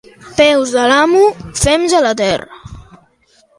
Peus de l'amo, fems a la terra.